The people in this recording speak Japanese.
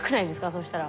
そしたら。